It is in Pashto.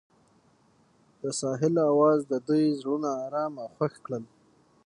د ساحل اواز د دوی زړونه ارامه او خوښ کړل.